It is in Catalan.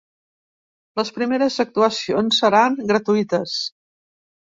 Les primeres actuacions seran gratuïtes.